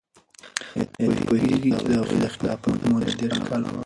آیا ته پوهیږې چې د هغوی د خلافت موده دیرش کاله وه؟